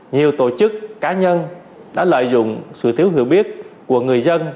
nhiều tổ chức cá nhân đã lợi dụng sự thiếu hiểu biết của người dân